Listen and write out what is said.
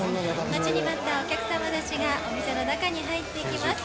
待ちに待ったお客様たちが、お店の中に入っていきます。